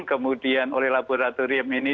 kemudian oleh laboratorium ini